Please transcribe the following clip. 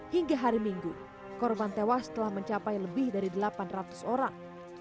hingga hari minggu korban tewas telah mencapai lebih dari delapan ratus orang